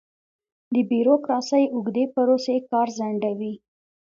د بیروکراسۍ اوږدې پروسې کار ځنډوي.